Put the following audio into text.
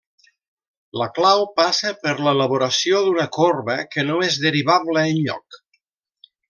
La clau passa per l'elaboració d'una corba que no és derivable enlloc.